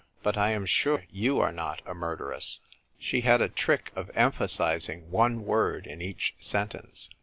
But I am sure you are not a murderess." (She had a trick of emphasising one word in each sentence.)